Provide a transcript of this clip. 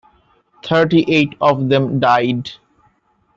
Thirty-eight of them died.